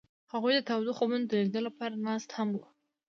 هغوی د تاوده خوبونو د لیدلو لپاره ناست هم وو.